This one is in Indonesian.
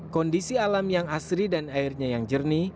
kondisi alam yang asri dan airnya yang jernih